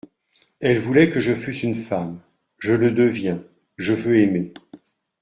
Elle voulait que je fusse une femme ; je le deviens ; je veux aimer.